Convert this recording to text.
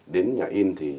đến nhà in thì